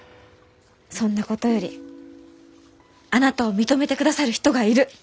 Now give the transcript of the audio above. そんなことよりあなたを認めてくださる人がいる。